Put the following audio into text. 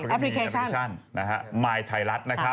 แอปพลิเคชัน